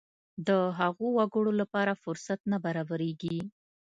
د هغو وګړو لپاره فرصت نه برابرېږي.